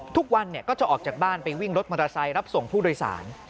ทุกวันก็จะออกจากบ้านไปวิ่งรถมอเตอร์ไซค์รับส่งผู้โดยสาร